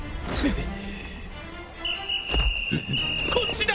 ・こっちだ！